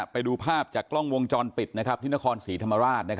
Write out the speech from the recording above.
ไปดูภาพจากกล้องวงจรปิดที่นครศรีธรรมราช